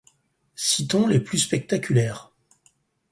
Citons les plus spectaculaires.